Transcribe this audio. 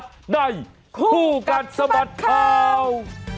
คู่กับสมัติข่าวคู่กับสมัติข่าว